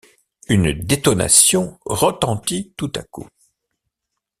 Une détonation retentit tout à coup.